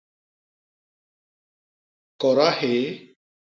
Kôda hyéé.